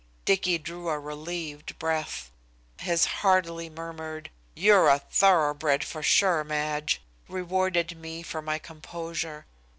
Dicky drew a relieved breath. His heartily murmured, "You're a thoroughbred for sure, Madge," rewarded me for my composure.